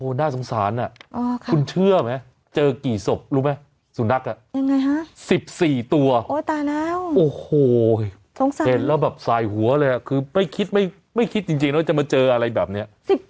โอ้โหเห็นแล้วแบบสายหัวเลยอ่ะคือไม่คิดจริงว่าจะมาเจออะไรแบบเนี่ย